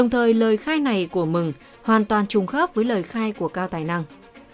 đồng thời lời khai này của mừng hoàn toàn trùng khớp với lời khai của cao tài năng